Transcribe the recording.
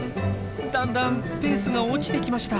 だんだんペースが落ちてきました。